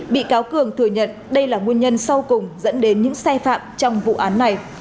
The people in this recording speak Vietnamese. bị cáo cường thừa nhận đây là nguyên nhân sau cùng dẫn đến những sai phạm trong vụ án này